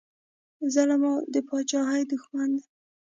ظلم د پاچاهۍ دښمن دی